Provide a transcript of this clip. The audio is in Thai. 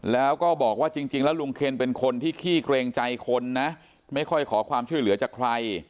แล้วก็บอกว่าจริงแล้วลุงเคนเป็นคนที่ขี้เกรงใจคนนะไม่ค่อยขอความช่วยเหลือจากใคร